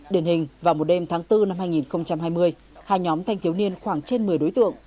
điển hình vào một đêm tháng bốn năm hai nghìn hai mươi hai nhóm thanh thiếu niên khoảng trên một mươi đối tượng